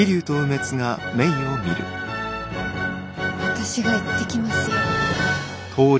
私が行ってきますよ。